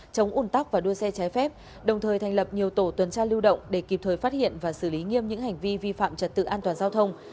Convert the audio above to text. chống ủn tắc và đua xe trái phép đồng thời thành lập nhiều tổ tuần tra lưu động để kịp thời phát hiện và xử lý nghiêm những hành vi vi phạm trật tự an toàn giao thông